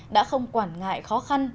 đã không quản ngại khó khăn